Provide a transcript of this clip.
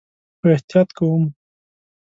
خو احتیاط کوم